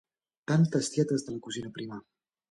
Tantes tietes de la cosina prima!